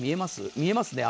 見えますね、泡。